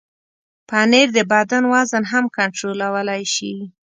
پنېر د بدن وزن هم کنټرولولی شي.